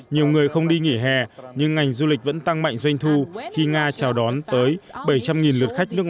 nhiều người không đi nghỉ hè nhưng ngành du lịch vẫn tăng mạnh doanh thu khi nga chào đón tới bảy trăm linh lượt khách nước ngoài